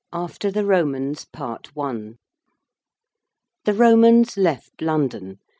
5. AFTER THE ROMANS. PART I. The Romans left London.